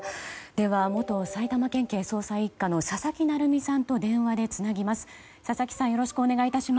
では、元埼玉県警捜査１課の佐々木成三さんと電話でつなぎます。